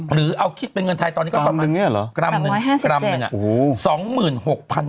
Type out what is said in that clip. หรือเอาคิดเป็นเงินไทยตอนนี้ก็ประมาณกรรมนึง